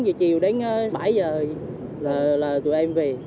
ba bốn giờ chiều đến bảy giờ là tụi em về